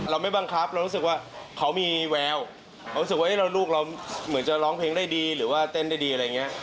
ไม่บังคับเรารู้สึกว่าเขามีแววเรารู้สึกว่าลูกเราเหมือนจะร้องเพลงได้ดีหรือว่าเต้นได้ดีอะไรอย่างนี้